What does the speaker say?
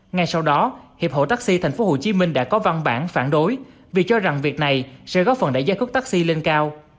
ngay sau đó hiệp hộ taxi tp hcm đã có văn bản phản đối vì cho rằng việc này sẽ góp phần đại gia khúc taxi lên cao